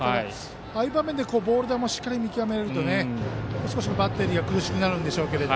ああいう場面でボール球をしっかり見極めるとバッテリーは苦しくなるんでしょうけど。